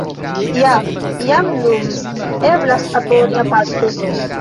Ja jam nun eblas aboni aparte.